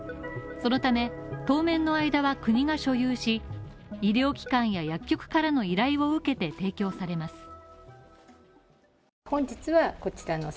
そのため当面の間は国が所有し、医療機関や薬局からの依頼を受けて提供されます。